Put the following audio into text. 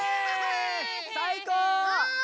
さいこう！